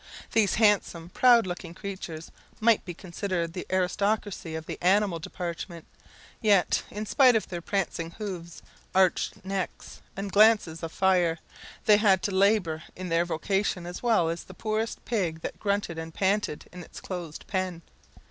These handsome, proud looking creatures, might be considered the aristocracy of the animal department; yet, in spite of their prancing hoofs, arched necks, and glances of fire, they had to labour in their vocation as well as the poorest pig that grunted and panted in its close pen.